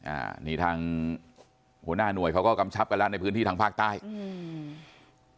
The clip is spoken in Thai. อ่านี่ทางหัวหน้าหน่วยเขาก็กำชับกันแล้วในพื้นที่ทางภาคใต้อืม